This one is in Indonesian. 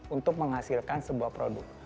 untuk menghasilkan sebuah produk